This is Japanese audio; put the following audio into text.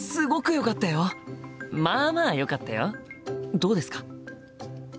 どうですか？